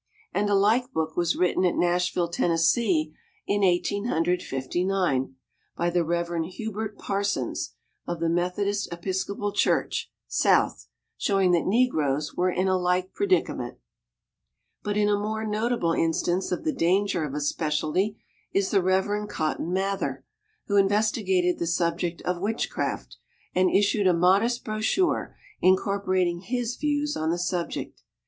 And a like book was written at Nashville, Tennessee, in Eighteen Hundred Fifty nine, by the Reverend Hubert Parsons of the Methodist Episcopal Church (South), showing that negroes were in a like predicament. But a more notable instance of the danger of a specialty is the Reverend Cotton Mather, who investigated the subject of witchcraft and issued a modest brochure incorporating his views on the subject.